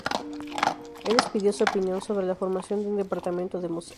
Él les pidió su opinión sobre la formación de un departamento de música.